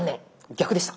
逆でした。